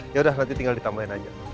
ya udah nanti tinggal ditambahin aja